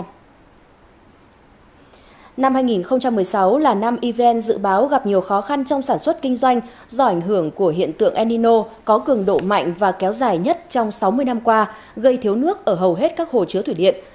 năm hai nghìn một mươi sáu là năm evn dự báo gặp nhiều khó khăn trong sản xuất kinh doanh do ảnh hưởng của hiện tượng enino có cường độ mạnh và kéo dài nhất trong sáu mươi năm qua gây thiếu nước ở hầu hết các hồ chứa thủy điện